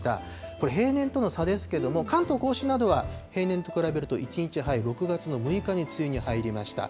これ、平年との差ですけれども、関東甲信などは平年と比べると１日早い６月の６日に梅雨に入りました。